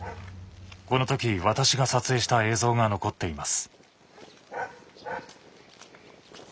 この時私が撮影した映像が残っています。